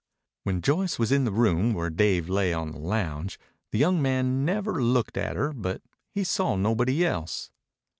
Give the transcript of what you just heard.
When Joyce was in the room where Dave lay on the lounge, the young man never looked at her, but he saw nobody else.